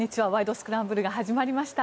スクランブル」が始まりました。